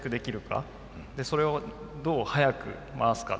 それをどう速く回すか。